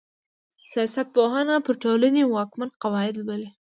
سياست پوهنه پر ټولني واکمن قواعد لولي.